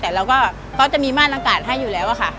แต่เราก็เขาจะมีม่านอากาศให้อยู่แล้วค่ะ